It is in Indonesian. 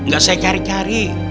gak saya cari cari